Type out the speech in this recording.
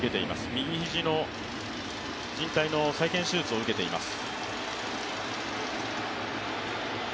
右肘の靱帯の再建手術を受けています。